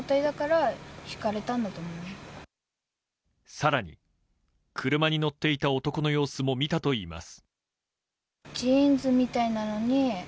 更に、車に乗っていた男の様子も見たといいます。